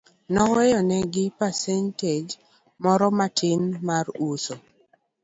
Noweyo ne gi pasenteg moro matin mar uso.